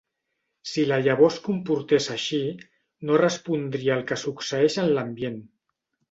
Si la llavor es comportés així, no respondria al que succeeix en l'ambient.